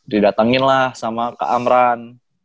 didatangin lah sama kak amran